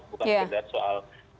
bukan sekedar soal penerbitan